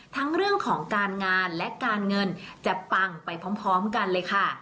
ทั้งเรื่องของการงานและการเงินจะปังไปพร้อมกันเลยค่ะ